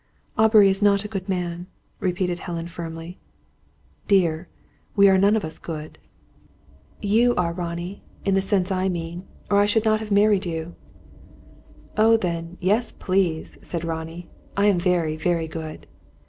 "Aubrey is not a good man," repeated Helen firmly. "Dear, we are none of us good." "You are, Ronnie in the sense I mean, or I should not have married you." "Oh, then, yes please!" said Ronnie. "I am very, very good!"